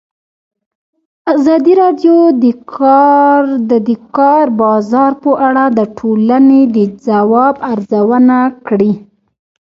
ازادي راډیو د د کار بازار په اړه د ټولنې د ځواب ارزونه کړې.